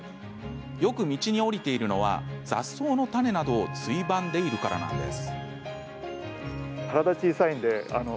よく道におりているのは雑草の種などをついばんでいるからなんです。